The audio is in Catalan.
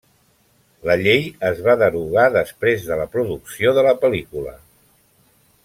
La llei es va derogar després de la producció de la pel·lícula.